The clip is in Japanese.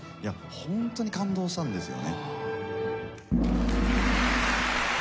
ホントに感動したんですよね。